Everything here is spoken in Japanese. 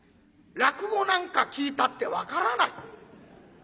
落語なんか聴いたって分からない。